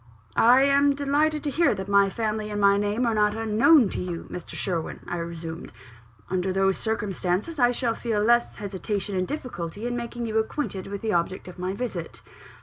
"I am delighted to hear that my family and my name are not unknown to you, Mr. Sherwin," I resumed. "Under those circumstances, I shall feel less hesitation and difficulty in making you acquainted with the object of my visit."